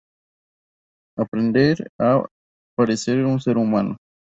aprender a parecer un ser humano